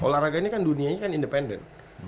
olahraga ini kan dunianya kan independen